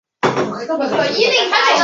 行政上属于石岛管理区。